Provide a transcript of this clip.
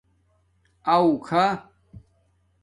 اݸ کھݳ